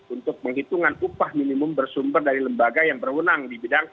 untuk penghitungan upah minimum bersumber dari lembaga yang berwenang di bidang